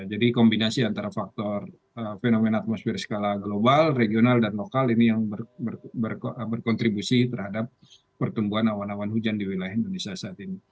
jadi kombinasi antara faktor fenomena atmosfer skala global regional dan lokal ini yang berkontribusi terhadap pertumbuhan awan awan hujan di wilayah indonesia saat ini